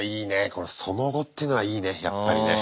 この「その後」ってのはいいねやっぱりね。